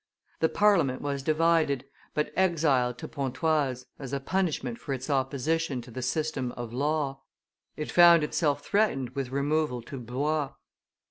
The Parliament was divided, but exiled to Pontoise, as a punishment for its opposition to the system of Law; it found itself threatened with removal to Blois.